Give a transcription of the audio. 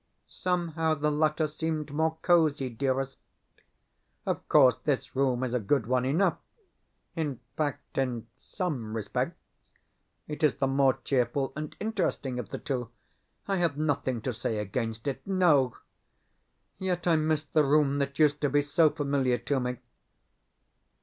Somehow the latter seemed more cosy, dearest. Of course, this room is a good one enough; in fact, in SOME respects it is the more cheerful and interesting of the two. I have nothing to say against it no. Yet I miss the room that used to be so familiar to me.